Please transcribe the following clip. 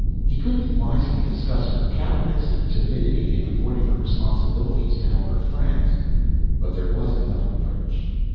He couldn't wisely discuss her cowardice and timidity in avoiding her responsibilities to help her friends; but there was another approach.